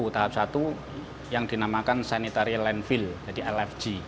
tahap satu yang dinamakan sanitary landfill jadi lfg